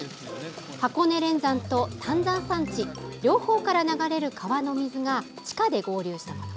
箱根連山と丹沢山地両方から流れる川の水が地下で合流したもの。